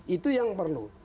itu yang perlu